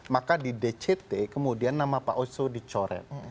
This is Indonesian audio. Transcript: maka di dct kemudian nama pak oso dicoret